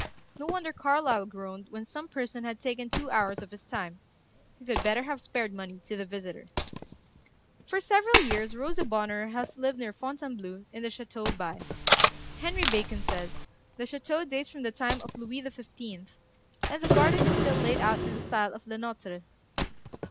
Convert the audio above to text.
No wonder Carlyle groaned when some person had taken two hours of his time. He could better have spared money to the visitor. For several years Rosa Bonheur has lived near Fontainebleau, in the Chateau By. Henry Bacon says: "The chateau dates from the time of Louis XV., and the garden is still laid out in the style of Le Notre.